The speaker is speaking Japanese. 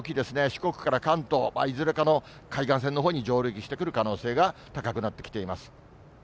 四国から関東、いずれかの海岸線のほうに上陸してくる可能性が高くなってきています。